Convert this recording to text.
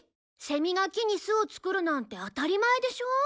セミが木に巣を作るなんて当たり前でしょう？